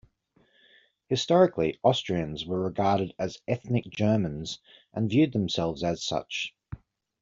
Historically, Austrians were regarded as ethnic Germans and viewed themselves as such.